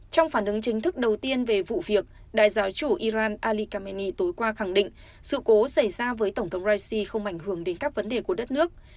trong phản ứng chính thức đầu tiên về vụ việc đại giáo chủ iran ali kamenia tối qua khẳng định sự cố xảy ra với tổng thống raisi không ảnh hưởng đến các vấn đề của đất nước